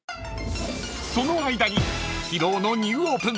［その間に］